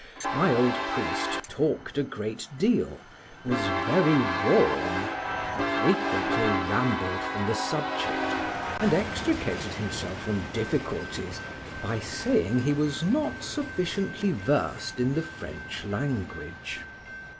My old priest talked a great deal, was very warm, frequently rambled from the subject, and extricated himself from difficulties by saying he was not sufficiently versed in the French language.